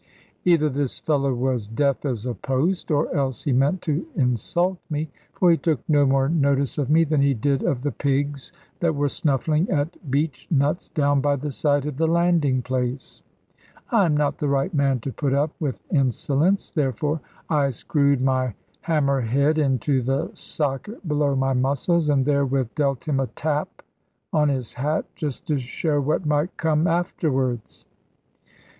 Either this fellow was deaf as a post, or else he meant to insult me, for he took no more notice of me than he did of the pigs that were snuffling at beech nuts down by the side of the landing place. I am not the right man to put up with insolence; therefore I screwed my hammer head into the socket below my muscles, and therewith dealt him a tap on his hat, just to show what might come afterwards.